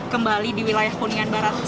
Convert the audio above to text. kembali di wilayah kuningan barat